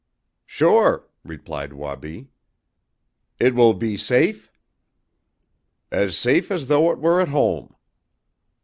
"Sure," replied Wabi. "It will be safe?" "As safe as though it were at home."